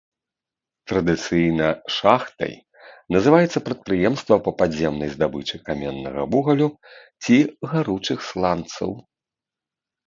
Традыцыйна шахтай называецца прадпрыемства па падземнай здабычы каменнага вугалю ці гаручых сланцаў.